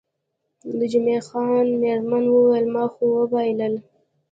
د جمعه خان میرمنې وویل، ما خو وبایلل.